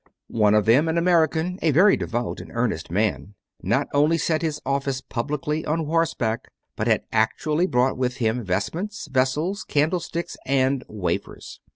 One of them, an American, a very devout and earnest man, not only said his Office publicly on horseback, but had actually brought with him vestments, vessels, candlesticks, and wafers.